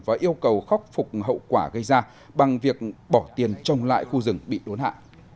và yêu cầu khắc phục hậu quả gây ra bằng việc bỏ tiền trồng lại khu rừng bị đốn hạ